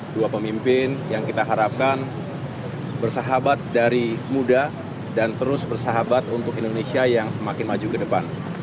dua pemimpin yang kita harapkan bersahabat dari muda dan terus bersahabat untuk indonesia yang semakin maju ke depan